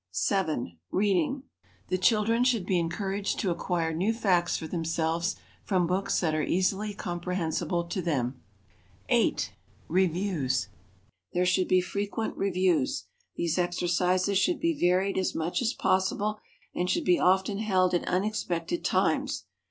7. Reading. The children should be encouraged to acquire new facts for themselves from books that are easily comprehensible to them. 8. Reviews. There should be frequent reviews. These exercises should be varied as much as possible and should be often held at unexpected times.